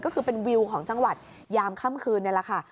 ก็คือเป็นวิวของจังหวัดยามค่ำคืนนี่แหละค่ะ